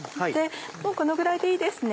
もうこのぐらいでいいですね。